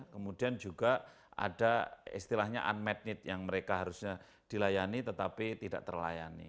kemudian juga ada istilahnya unmet need yang mereka harusnya dilayani tetapi tidak terlayani